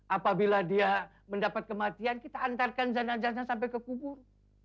apabila dia mendapat kematian kita antarkan zana zana sampai kekubur